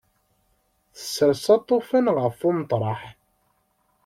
Tsers aṭufan ɣef umeṭreḥ.